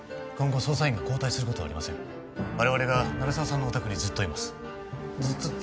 今後捜査員が交代することはありません